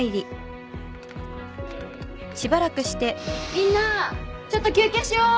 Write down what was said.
みんなちょっと休憩しよう！